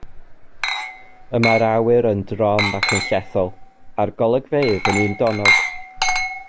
Y mae'r awyr yn drom ac yn llethol, a'r golygfeydd yn undonog.